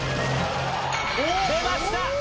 出ました！